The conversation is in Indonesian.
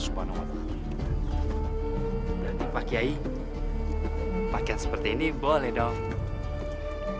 pak yai pakaian seperti ini boleh dong